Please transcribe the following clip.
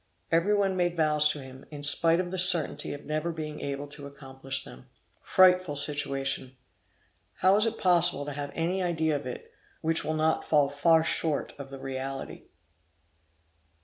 Every one made vows to him, in spite of the certainty of never being able to accomplish them. Frightful situation! How is it possible to have any idea of it, which will not fall far short of the reality!